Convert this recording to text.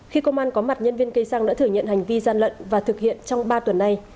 khi công an có mặt nhân viên cây xăng đã thừa nhận hành vi gian lận và thực hiện trong ba tuần nay